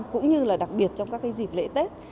cũng như là đặc biệt trong các cái dịp lễ tết